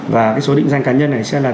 và số định danh cá nhân này sẽ là